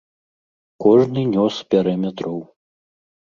Кожны нёс бярэмя дроў.